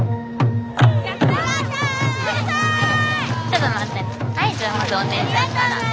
ちょっと待ってね。